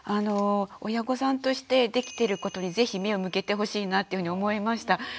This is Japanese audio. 親御さんとしてできてることに是非目を向けてほしいなっていうふうに思いました。